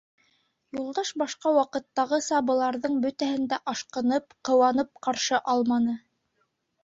Юлдаш башҡа ваҡыттағыса быларҙың бөтәһен дә ашҡынып, ҡыуанып ҡаршы алманы.